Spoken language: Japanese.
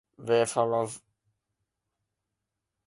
wefwrw